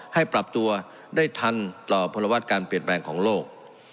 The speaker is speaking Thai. ให้ปรับตัวได้ทันต่อพลวัตรการเปลี่ยนแปลงของโลก